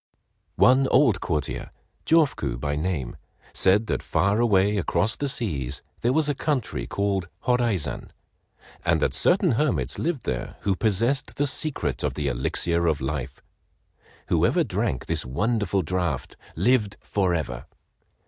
One old courtier, Jofuku by name, said that far away across the seas there was a country called Horaizan, and that certain hermits lived there who possessed the secret of the "Elixir of Life." Whoever drank of this wonderful draught lived forever.